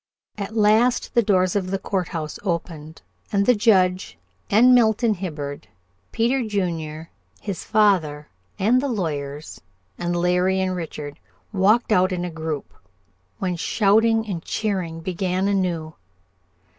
At last the doors of the courthouse opened, and the Judge, and Milton Hibbard, Peter Junior, his father, and the lawyers, and Larry and Richard walked out in a group, when shouting and cheering began anew.